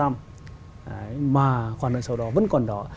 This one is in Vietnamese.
mà khoản nợ xấu đó vẫn còn đó